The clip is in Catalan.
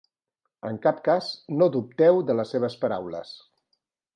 En cap cas no dubteu de les seves paraules.